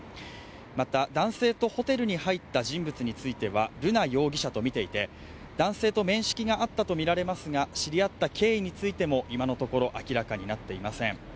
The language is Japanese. また、男性とホテルに入った人物については瑠奈容疑者とみていて男性と面識があったとみられますが知り合った経緯についても今のところ明らかになっていません。